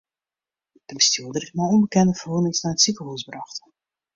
De bestjoerder is mei ûnbekende ferwûnings nei it sikehús brocht.